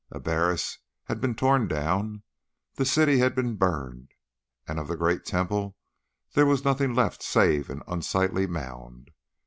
Abaris had been torn down, the city had been burned, and of the great Temple there was nothing left save an unsightly mound.